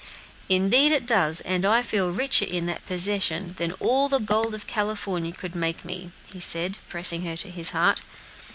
"Indeed it does, and I feel richer in that possession than all the gold of California could make me," he said, pressing her to his heart.